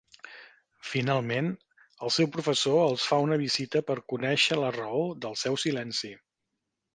Finalment, el seu professor els fa una visita per conèixer la raó del seu silenci.